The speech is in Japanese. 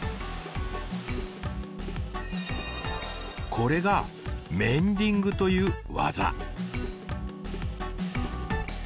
これがメンディングという技。